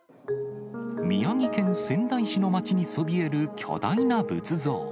宮城県仙台市の街にそびえる巨大な仏像。